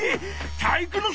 体育ノ介！